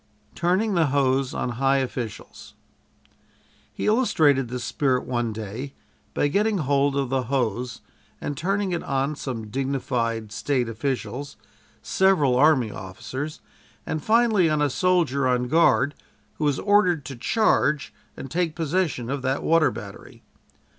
TURNING THE HOSE ON HIGH OFFICIALS He illustrated this spirit one day by getting hold of the hose and turning it on some dignified State officials, several army officers, and finally on a soldier on guard who was ordered to charge and take possession of that water battery.